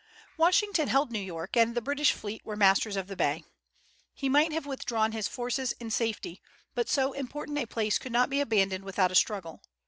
Washington held New York, and the British fleet were masters of the Bay. He might have withdrawn his forces in safety, but so important a place could not be abandoned without a struggle.